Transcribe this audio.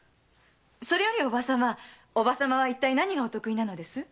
それよりおば様おば様は一体何がお得意なのです？